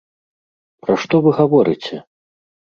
Пра што вы гаворыце!